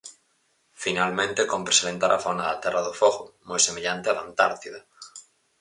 Finalmente, cómpre salientar a fauna da Terra do Fogo, moi semellante á da Antártida.